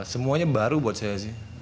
semuanya baru buat saya sih